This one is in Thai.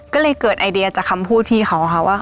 ก็เลยเกิดไอเดียจากคำพูดพี่เขาค่ะว่า